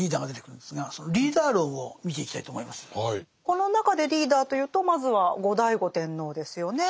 この中でリーダーというとまずは後醍醐天皇ですよね。